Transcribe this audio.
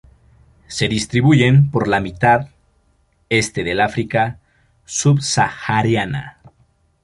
Se distribuyen por la mitad este del África subsahariana.